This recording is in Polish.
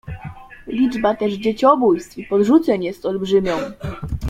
"Liczba też dzieciobójstw i podrzuceń jest olbrzymią."